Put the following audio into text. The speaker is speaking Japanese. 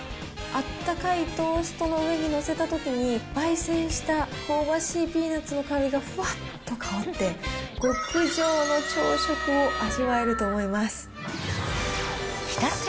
あったかいトーストの上に載せたときに、ばい煎した香ばしいピーナッツの香りがふわっと香って、極上の朝食を味わえると思います。